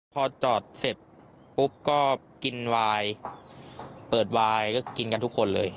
พอจอดเสร็จปุ๊บก็กินวายเปิดวายก็กินกันทุกคนเลย